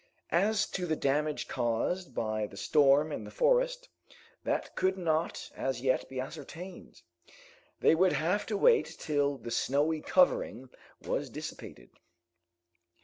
As to the damage caused by the storm in the forest, that could not as yet be ascertained; they would have to wait till the snowy covering was dissipated.